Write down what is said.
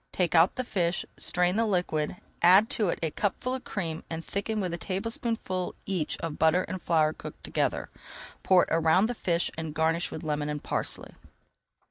Take out the fish, strain the liquid, add to it a cupful of cream and thicken with a tablespoonful each of butter and flour cooked together. Pour it around the fish and garnish with lemon and parsley.